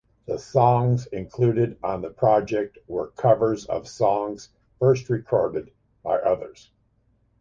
The songs included on the project were covers of songs first recorded by others.